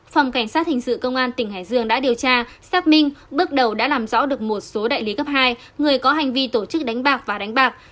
phòng cảnh sát hình sự công an tỉnh hải dương đã điều tra xác minh bước đầu đã làm rõ được một số đại lý cấp hai người có hành vi tổ chức đánh bạc và đánh bạc